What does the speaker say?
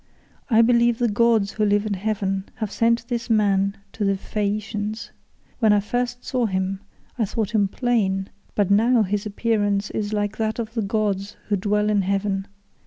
I believe the gods who live in heaven have sent this man to the Phaeacians. When I first saw him I thought him plain, but now his appearance is like that of the gods who dwell in heaven.